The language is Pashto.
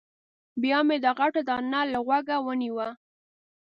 بیا مې دا غټه دانه له غوږه ونیوه.